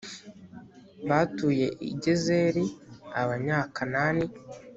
batuye i gezeri abanyakanani